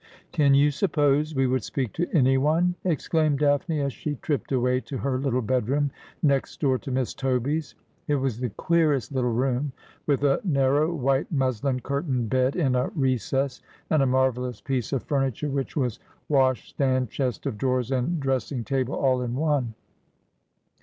' Can you suppose we would speak to anyone ?' exclaimed Daphne, as she tripped away to her little bedroom, next door to Miss Toby's. It was the queerest little room, with a narrow, white muslin curtained bed in a recess, and a marvellous piece of furniture which was washstand, chest of drawers, and dress ' And Volatile, as ay was His Usage.' 27 ing table all in one.